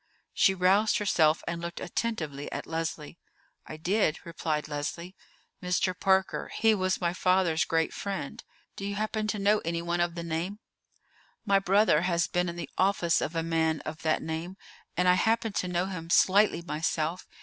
She roused herself and looked attentively at Leslie. "I did," replied Leslie. "Mr. Parker—he was my father's great friend. Do you happen to know anyone of the name?" "My brother has been in the office of a man of that name, and I happen to know him slightly myself.